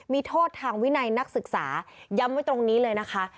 มีโทษทางวินัยนักศึกษาย้ำไว้ตรงนี้เลยนะคะ